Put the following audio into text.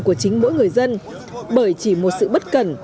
chính mỗi người dân bởi chỉ một sự bất cần